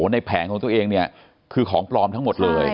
แผงของตัวเองเนี่ยคือของปลอมทั้งหมดเลย